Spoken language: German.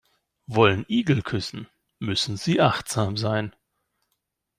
Wollen Igel küssen, müssen sie achtsam sein.